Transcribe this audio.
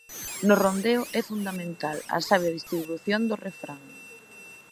No rondó é fundamental a sabia distribución do refrán.